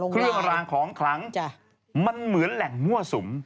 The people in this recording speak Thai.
เครื่องรางของขลังมันเหมือนแหล่งมั่วสุม